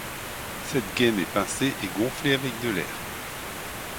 Cette gaine est pincée et gonflée avec de l'air.